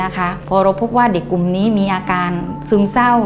กับเด็กกลุ่มนี้มีอาการซึ่งเศร้า